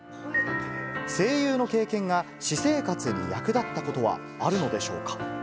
声優の経験が私生活に役立ったことはあるのでしょうか。